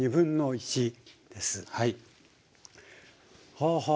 はあはあ。